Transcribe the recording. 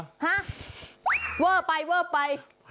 ฮะเวอร์ไปไป